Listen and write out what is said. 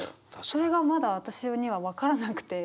それがまだ私には分からなくて。